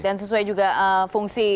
dan sesuai juga fungsi